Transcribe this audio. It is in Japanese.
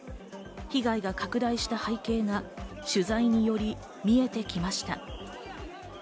被害が拡大した背景が取材により見えてきました。